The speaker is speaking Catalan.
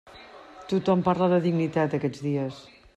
Tothom parla de dignitat, aquests dies.